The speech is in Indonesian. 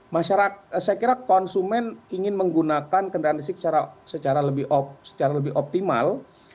masyarakat saya kira konsumen ingin menggunakan kendaraan listrik secara lebih optimal